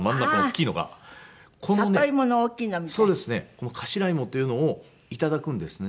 この頭芋というのを頂くんですね。